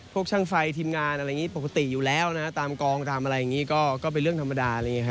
พวกช่างไฟทีมงานอะไรอย่างนี้ปกติอยู่แล้วนะตามกองตามอะไรอย่างนี้ก็เป็นเรื่องธรรมดา